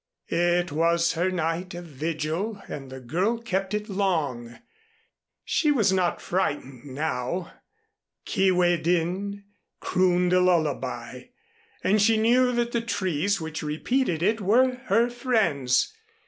It was her night of vigil and the girl kept it long. She was not frightened now. Kee way din crooned a lullaby, and she knew that the trees which repeated it were her friends.